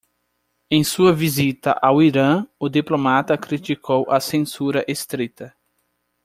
Em sua visita ao Irã, o diplomata criticou a censura estrita.